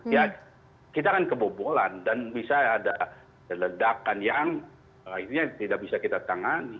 ya kita akan kebobolan dan bisa ada ledakan yang akhirnya tidak bisa kita tangani